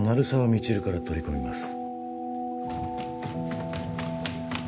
未知留から取り込みます